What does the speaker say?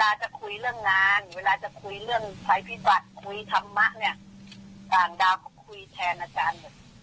ต่างดาวก็คุยแทนอาจารย์เลย